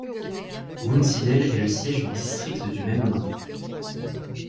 Wunsiedel est le siège du district du même nom.